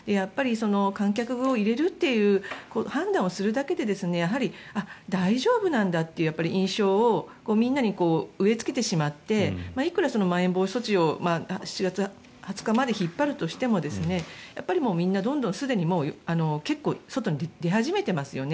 観客を入れるという判断をするだけでやはり大丈夫なんだという印象をみんなに植えつけてしまっていくらまん延防止措置を７月２０日まで引っ張るとしてもみんなどんどんすでに結構、外に出始めていますよね。